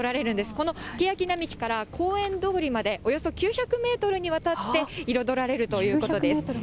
このケヤキ並木から公園通り迄およそ９００メートルにわたって彩られるということです。